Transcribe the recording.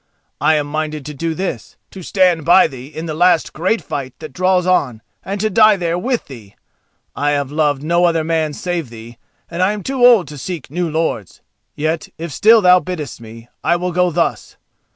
I am minded to do this: to stand by thee in the last great fight that draws on and to die there with thee. I have loved no other man save thee, and I am too old to seek new lords. Yet, if still thou biddest me, I will go thus.